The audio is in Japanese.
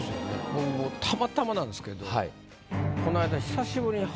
僕もたまたまなんですけどこないだ